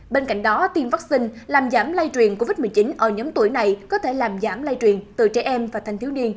bên cạnh đó tiêm vaccine làm giảm lây truyền covid một mươi chín ở nhóm tuổi này có thể làm giảm lây truyền từ trẻ em và thanh thiếu niên